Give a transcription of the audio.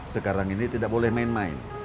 sekarang ini tidak boleh main main